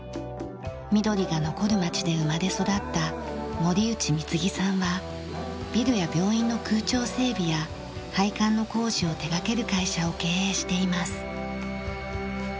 緑が残る街で生まれ育った森内貢さんはビルや病院の空調整備や配管の工事を手掛ける会社を経営しています。